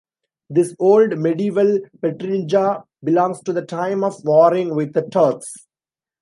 This old medieval Petrinja belongs to the time of warring with the Turks.